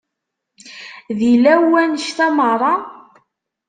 D ilaw wannect-a merra?